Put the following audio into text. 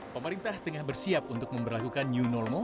pemerintah tengah bersiap untuk memperlakukan new normal